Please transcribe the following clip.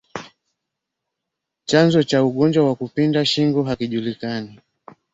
Chanzo cha ugonjwa wa kupinda shingo hakijulikani